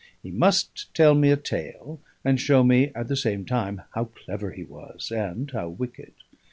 He must tell me a tale, and show me at the same time how clever he was, and how wicked.